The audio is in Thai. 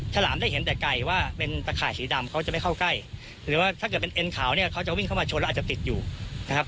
ฉลามได้เห็นแต่ไก่ว่าเป็นตะข่ายสีดำเขาจะไม่เข้าใกล้หรือว่าถ้าเกิดเป็นเอ็นขาวเนี่ยเขาจะวิ่งเข้ามาชนแล้วอาจจะติดอยู่นะครับ